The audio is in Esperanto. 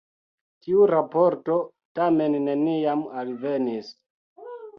Tiu raporto tamen neniam alvenis.